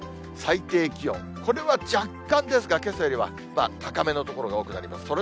最低気温、これは若干ですが、けさよりは高めの所が多くなります。